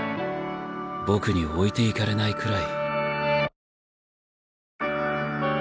僕に置いていかれないくらい。